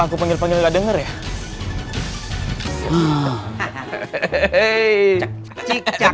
kekuatan geris sangkala ini bisa ngebantu kita